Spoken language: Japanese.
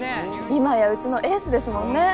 今やうちのエースですもんね。